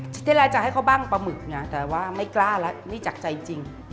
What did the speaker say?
ชิคกี้พายจะให้เขาบ้างปลาหมึกเนี้ยแต่ว่าไม่กล้าละนี่จากใจจริง